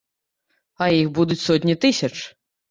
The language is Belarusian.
А іх будуць сотні тысяч.